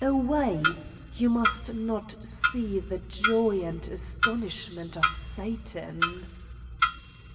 Away! You must not see the joy and astonishment of Satan!